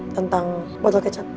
tentang botol kecat